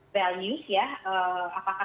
dan juga memperhatikan nilai